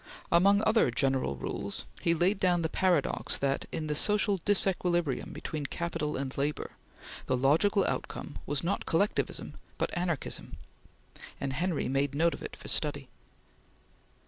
Among other general rules he laid down the paradox that, in the social disequilibrium between capital and labor, the logical outcome was not collectivism, but anarchism; and Henry made note of it for study.